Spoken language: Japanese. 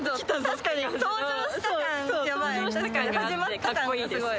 始まった感がすごい。